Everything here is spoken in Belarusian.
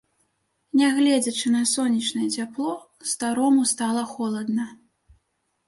Не гледзячы на сонечнае цяпло, старому стала холадна.